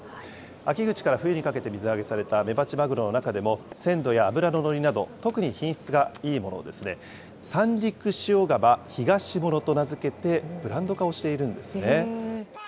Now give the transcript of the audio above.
秋口から冬にかけて水揚げされたメバチマグロの中でも鮮度や脂の乗りなど、特に品質がいいものをですね、三陸塩竈ひがしものと名付けてブランド化をしているんですね。